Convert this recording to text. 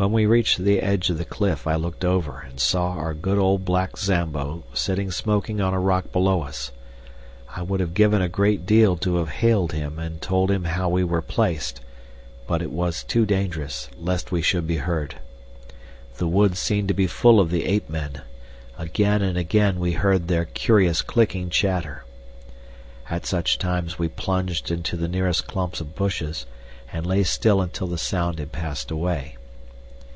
When we reached the edge of the cliff I looked over and saw our good old black Zambo sitting smoking on a rock below us. I would have given a great deal to have hailed him and told him how we were placed, but it was too dangerous, lest we should be heard. The woods seemed to be full of the ape men; again and again we heard their curious clicking chatter. At such times we plunged into the nearest clump of bushes and lay still until the sound had passed away.